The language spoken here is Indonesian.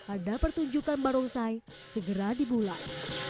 ada pertunjukan barongsai segera dibulai